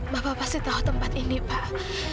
bapak pasti tahu tempat ini pak